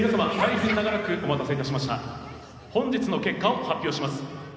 本日の結果を発表します。